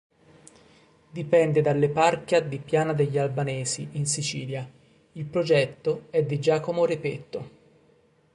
Dipende dall'Eparchia di Piana degli Albanesi in Sicilia, il progetto è di Giacomo Repetto.